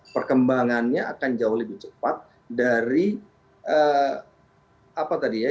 perkembangannya akan jauh lebih cepat dari apa tadi ya